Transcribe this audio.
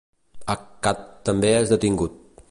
Accad també és detingut.